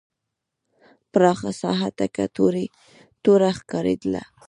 پراخه ساحه تکه توره ښکارېدله.